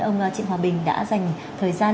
ông trịnh hòa bình đã dành thời gian